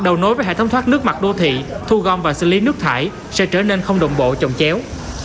đầu nối với hệ thống thoát nước mặt đô thị thu gom và xử lý nước thải sẽ trở nên không đồng bộ chồng chéo